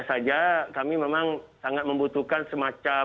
hanya saja kami memang sangat membutuhkan semacamnya